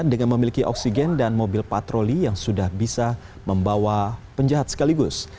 dengan memiliki oksigen dan mobil patroli yang sudah bisa membawa penjahat sekaligus